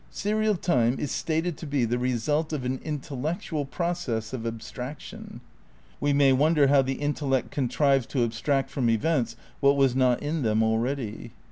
Serial time is stated to be the result of "an intellec tual process of abstraction." (We may wonder how the intellect contrives to abstract from events what was not in them already.)